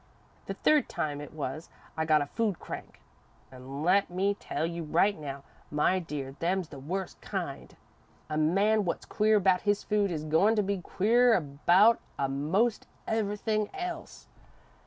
"The third time, it was, I got a food crank, an' let me tell you right now, my dear, them's the worst kind. A man what's queer about his food is goin' to be queerer about a'most everything else.